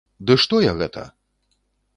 Ды што я гэта!